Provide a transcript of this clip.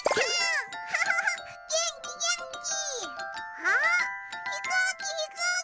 あっひこうきひこうき！